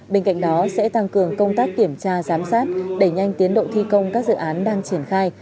bên cạnh đó sẽ tăng cường công tác kiểm tra giám sát đẩy nhanh tiến độ thi công các dự án đang triển khai